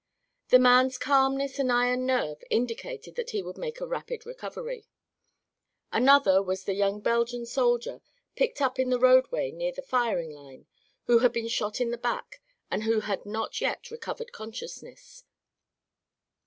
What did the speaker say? The man's calmness and iron nerve indicated that he would make a rapid recovery. Another was the young Belgian soldier picked up in the roadway near the firing line, who had been shot in the back and had not yet recovered consciousness.